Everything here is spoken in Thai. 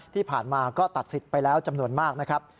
ที่ผ่านมาก็ตัดสิทธิ์ไปแล้วจำนวนมากนะครับ